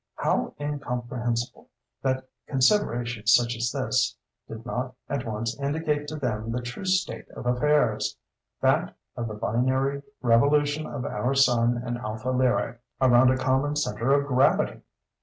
How incomprehensible, that considerations such as this did not at once indicate to them the true state of affairs—that of the binary revolution of our sun and Alpha Lyrae around a common centre of gravity!